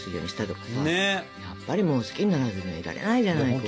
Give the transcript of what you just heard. やっぱりもう好きにならずにはいられないじゃないの。